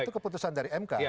itu keputusan dari mk